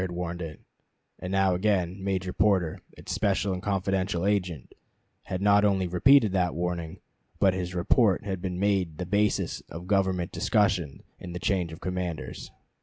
General Scott had warned it, Colonel Gardner had warned it, and now again Major Porter, its special and confidential agent, had not only repeated that warning, but his report had been made the basis of Government discussion in the change of commanders.